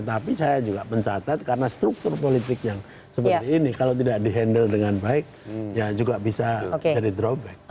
tapi saya juga mencatat karena struktur politik yang seperti ini kalau tidak di handle dengan baik ya juga bisa jadi drowback